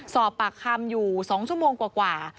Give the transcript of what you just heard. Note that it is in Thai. สอบปากคำอยู่๒ชั่วโมงกว่า